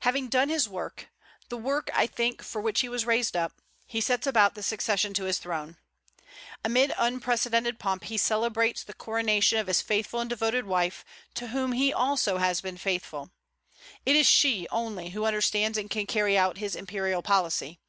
Having done his work, the work, I think, for which he was raised up, he sets about the succession to his throne. Amid unprecedented pomp he celebrates the coronation of his faithful and devoted wife, to whom he also has been faithful. It is she only who understands and can carry out his imperial policy.